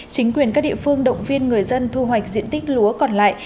chính quyền các địa phương động viên người dân thu hoạch diện tích lúa còn lại